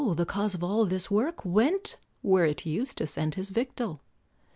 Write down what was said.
the cause of all this work, Went where it used to send his victual!